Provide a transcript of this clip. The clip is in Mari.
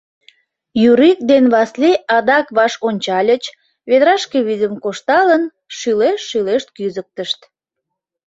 Юрик ден Васлий адак ваш ончальыч, ведрашке вӱдым кошталын, шӱлешт-шӱлешт кӱзыктышт.